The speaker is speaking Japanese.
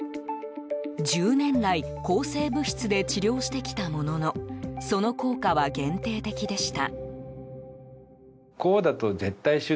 １０年来抗生物質で治療してきたもののその効果は限定的でした。